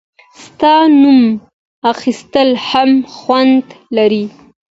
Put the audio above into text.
• ستا نوم اخیستل هم خوند لري.